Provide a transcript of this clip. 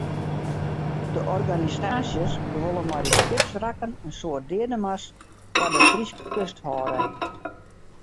De organisaasjes wolle mei de skipswrakken in soart deademars foar de Fryske kust hâlde.